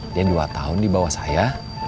dia dua tahun di bawah saya